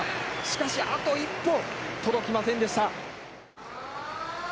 しかし、あと一歩届きませんでした。